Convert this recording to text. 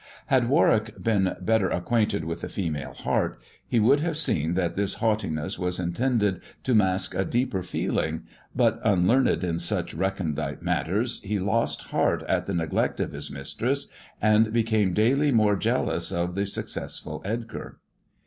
Had Warwick been better acquainted ith the female heart he would have seen that this LUghtiness was intended to mask a deeper feeling, but, ilearned in such recondite matters, he lost heart at the )glect of his mistress, and became daily more jealous of e successful Edgar.